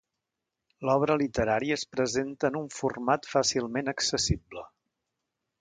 L'obra literària es presenta en un format fàcilment accessible.